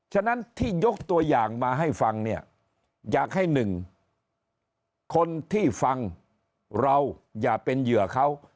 ฉะนั้นที่ยกตัวอย่างมาให้ฟังเนี่ยอยากให้หนึ่งคนที่ฟังเราอย่าเป็นเหยื่อเขา